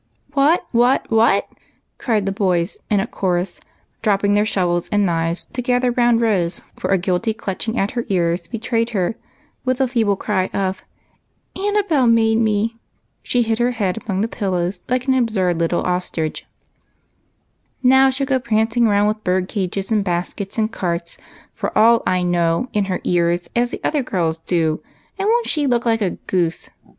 " What ! what ! what !" cried the boys in a chorus, dropping their shovels and knives to gather round Rose, for a guilty clutching at her ears betrayed her, and with a feeble cry of " Annabel made me !" she hid her head among the pillows like an absurd little ostrich. EAR RINGS. 177 " Now she '11 go prancing round with bird cages and baskets and carts and pigs, for all I know, in her ears, as the other girls do, and won't she look like a goose